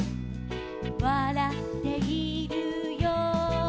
「わらっているよ」